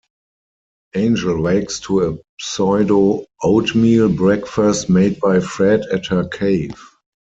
Angel wakes to a pseudo-oatmeal breakfast made by Fred at her cave.